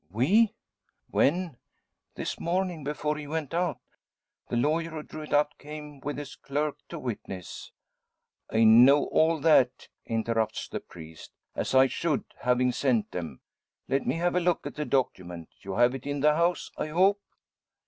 "Oui." "When?" "This morning, before he went out. The lawyer who drew it up came, with his clerk to witness " "I know all that," interrupts the priest, "as I should, having sent them. Let me have a look at the document. You have it in the house, I hope?"